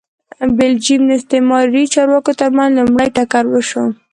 د بلجیم استعماري چارواکو ترمنځ لومړی ټکر وشو